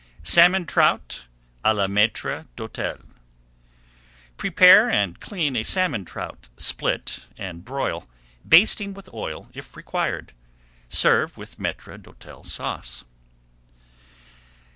SALMON TROUT À LA MAÎTRE D'HÔTEL Prepare and clean a salmon trout, split and broil, basting with oil if required. Serve with Maître d'Hôtel Sauce.